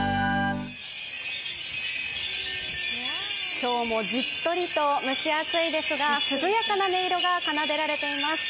今日もじっとりと蒸し暑いですが涼やかな音色が奏でられています。